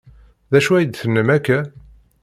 D acu ay d-tennam akka?